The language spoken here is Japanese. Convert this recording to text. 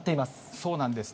そうなんですね。